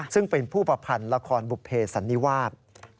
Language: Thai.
ซึ่งเป็นผู้ประพันธ์ละครบุภเพสันนิวาส